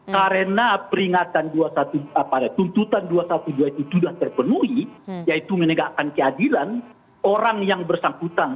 karena peringatan dua ratus dua belas itu sudah terpenuhi yaitu menegakkan keadilan orang yang bersangkutan